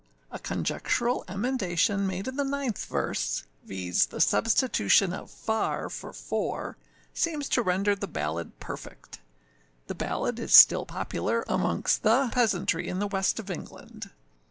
A conjectural emendation made in the ninth verse, viz., the substitution of far for for, seems to render the ballad perfect. The ballad is still popular amongst the peasantry in the West of England.